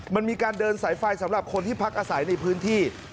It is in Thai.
มันมีการเดินสายไฟสำหรับคนที่พักอาศัยในพื้นที่